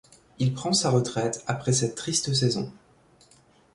Il prend sa retraite après cette triste saison.